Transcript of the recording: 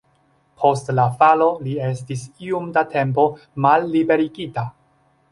Post la falo li estis iom da tempo malliberigita.